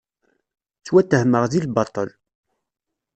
Ttwattehmeɣ deg lbaṭel.